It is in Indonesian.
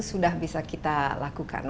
sudah bisa kita lakukan